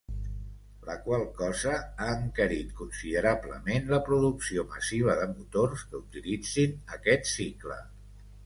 La qual cosa ha encarit considerablement la producció massiva de motors que utilitzin aquest cicle.